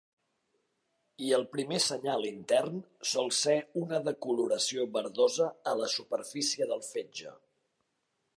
I el primer senyal intern sol ser una decoloració verdosa a la superfície del fetge.